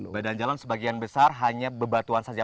badan jalan sebagian besar hanya bebatuan saja